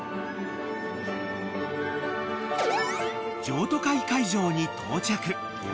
［譲渡会会場に到着］